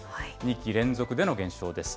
２期連続での減少です。